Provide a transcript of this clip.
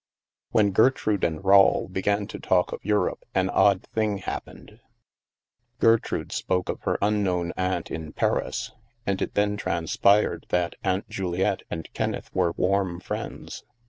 When Gertrude and Rawle began to talk of Eu rope, an odd thing "happened. Gertrude spoke of her unknown aunt, in Paris, and it then transpired that Aunt Juliette and Kenneth were warm friends.